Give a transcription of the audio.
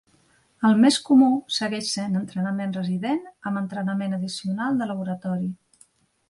El més comú segueix sent entrenament resident amb entrenament addicional de laboratori.